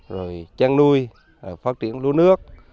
rồi chăn nuôi phát triển lúa nước